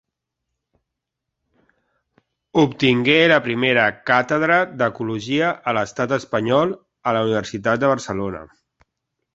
Obtingué la primera càtedra d'ecologia a l'Estat espanyol a la Universitat de Barcelona.